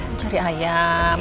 mau cari ayam